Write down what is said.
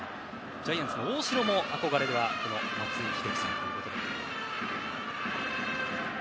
ジャイアンツの大城も憧れは松井秀喜さんということで。